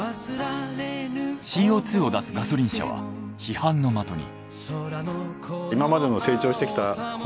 ＣＯ２を出すガソリン車は批判の的に。